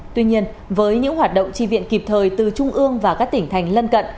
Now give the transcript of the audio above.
tuy nhiên với những hoạt động tri viện kịp thời từ trung ương và các tỉnh thành lân cận